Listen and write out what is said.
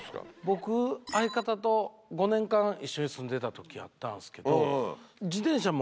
僕相方と５年間一緒に住んでた時あったんですけど。